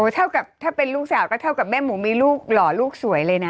เท่ากับถ้าเป็นลูกสาวก็เท่ากับแม่หมูมีลูกหล่อลูกสวยเลยนะ